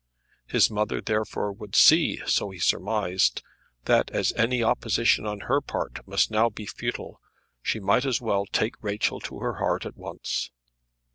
His mother therefore would see, so he surmised, that, as any opposition on her part must now be futile, she might as well take Rachel to her heart at once.